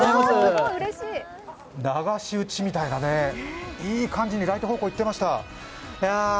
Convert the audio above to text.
流し打ちみたいな、いい感じにライト方向にいってました。